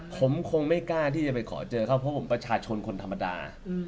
ผมคงไม่กล้าที่จะไปขอเจอเขาเพราะผมประชาชนคนธรรมดา